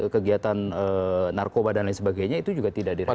kegiatan narkoba dan lain sebagainya itu juga tidak dilakukan